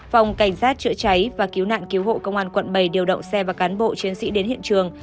phòng cảnh sát chữa cháy và cứu nạn cứu hộ công an quận bảy điều động xe và cán bộ chiến sĩ đến hiện trường